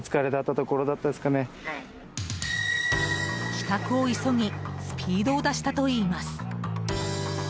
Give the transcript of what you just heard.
帰宅を急ぎスピードを出したといいます。